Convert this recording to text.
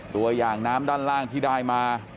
ตัวอย่างน้ำด้านล่างที่ได้มา